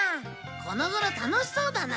このごろ楽しそうだな。